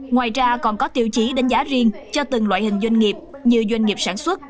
ngoài ra còn có tiêu chí đánh giá riêng cho từng loại hình doanh nghiệp như doanh nghiệp sản xuất